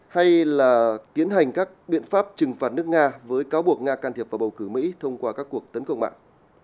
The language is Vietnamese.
hay là tiến hành các biện pháp trừng phạt nước nga với cáo buộc nga can thiệp vào bầu cử mỹ thông qua các cuộc tấn công mạng